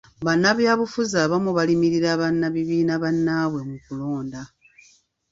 Bannabyabufuzi abamu balimirira bannabibiina bannaabwe mu kulonda.